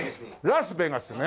ラスベガスね！